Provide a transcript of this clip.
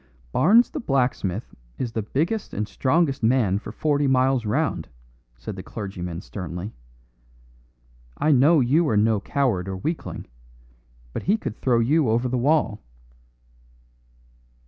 "Barnes the blacksmith is the biggest and strongest man for forty miles round," said the clergyman sternly. "I know you are no coward or weakling, but he could throw you over the wall."